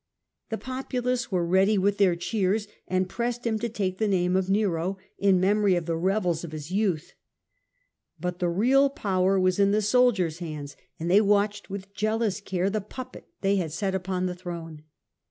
The populace were ready with their cheers, and placed him. pressed him to take the name of Nero, in memory of the revels of his youth. But the real power was in the soldiers' hands, and they watched with jealous care the puppet they had set upon the throne.